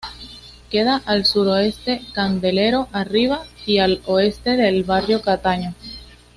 Queda al suroeste Candelero arriba, y al oeste el barrio Cataño.